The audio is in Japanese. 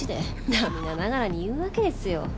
涙ながらに言うわけですよ。